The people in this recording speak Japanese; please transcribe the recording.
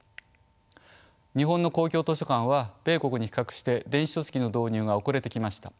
日本の公共図書館は米国に比較して電子書籍の導入が遅れてきました。